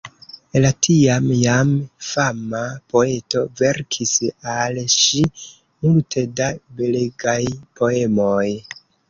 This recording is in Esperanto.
La tiam jam fama poeto verkis al ŝi multe da belegaj poemoj.